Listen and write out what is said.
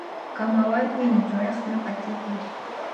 که مواد وي نو جوړښت نه پاتیږي.